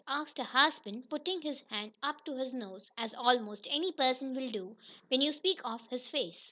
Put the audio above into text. asked her husband, putting his hand up to his nose, as almost any person will do when you speak of his face.